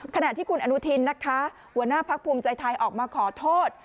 ขณะที่คุณอนุทินนะคะหัวหน้าพักภูมิใจไทยออกมาขอโทษ